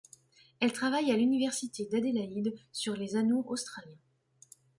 Elle travaille à l'Université d'Adelaide sur les anoures australiens.